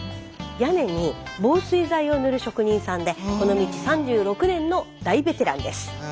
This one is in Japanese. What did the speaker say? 屋根に防水剤を塗る職人さんでこの道３６年の大ベテランです。